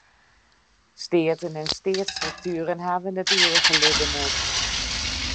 Steaten en steatsstruktueren hawwe it ivige libben net.